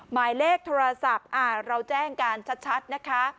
หมายเลขโทรศัพท์เราแจ้งกันชัดนะคะ